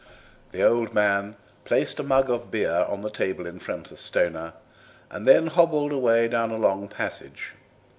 The old man placed a mug of beer on the table in front of Stoner and then hobbled away down a long passage.